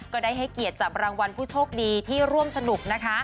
ก็ได้ให้เกียรติจับรางวัลผู้โชคดีที่ร่วมสนุกนะคะ